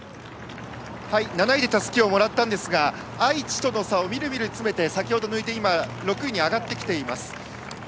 ７位でたすきをもらったんですが愛知との差をみるみる詰めて先程抜いて６位です。